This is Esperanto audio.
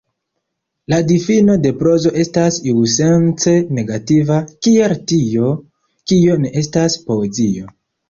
La difino de prozo estas iusence negativa, kiel tio, kio ne estas poezio.